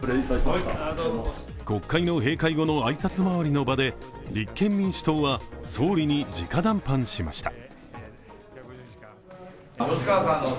国会の閉会後の挨拶回りの場で立憲民主党は総理にじか談判しました。